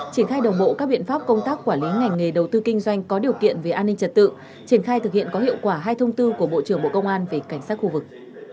triển khai đồng bộ các biện pháp công tác quản lý ngành nghề đầu tư kinh doanh có điều kiện về an ninh trật tự triển khai thực hiện có hiệu quả hai thông tư của bộ trưởng bộ công an về cảnh sát khu vực